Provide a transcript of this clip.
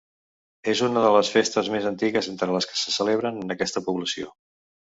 És una de les festes més antigues entre les que se celebren en aquesta població.